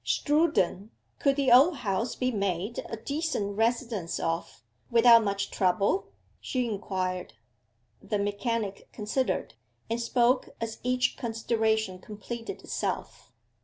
'Strooden, could the Old House be made a decent residence of, without much trouble?' she inquired. The mechanic considered, and spoke as each consideration completed itself.